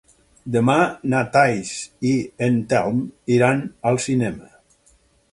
Demà na Thaís i en Telm iran al cinema.